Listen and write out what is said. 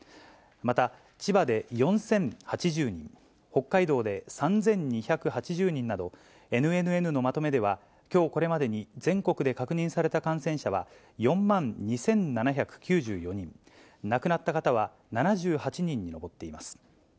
また、千葉で４０８０人、北海道で３２８０人など、ＮＮＮのまとめでは、きょうこれまでに全国で確認された感染者は４万２７９４人、亡くなった方は７８人に上っています。